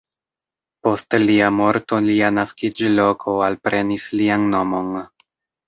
Post lia morto lia naskiĝloko alprenis lian nomon.